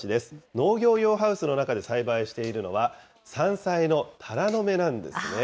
農業用ハウスの中で栽培しているのは、山菜のタラの芽なんですね。